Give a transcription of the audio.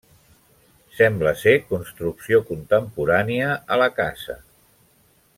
Sembla ser ce construcció contemporània a la casa.